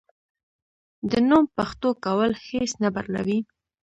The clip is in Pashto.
د نوم پښتو کول هیڅ نه بدلوي.